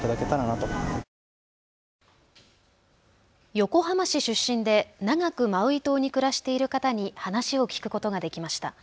横浜市出身で長くマウイ島に暮らしている方に話を聞くことができました。